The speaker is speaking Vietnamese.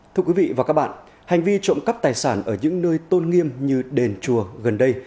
thưa quý vị và các bạn hành vi trộm cắp tài sản ở những nơi tôn nghiêm như đền chùa gần đây